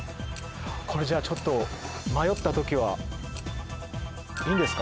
これじゃあちょっと迷った時はいいんですか？